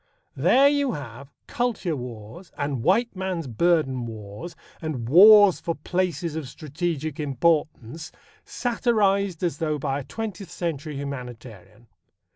There you have "Kultur" wars, and "white man's burden" wars, and wars for "places of strategic importance," satirized as though by a twentieth century humanitarian.